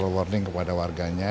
warning kepada warganya